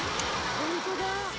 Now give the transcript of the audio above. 「ホントだ」